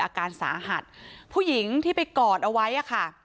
อาการสาหัสผู้หญิงที่ไปกอดเอาไว้อะค่ะ